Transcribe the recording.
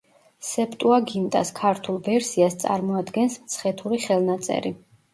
სეპტუაგინტას ქართულ ვერსიას წარმოადგენს „მცხეთური ხელნაწერი“.